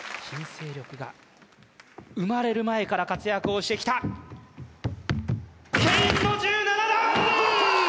新勢力が生まれる前から活躍をしてきたケインの１７段！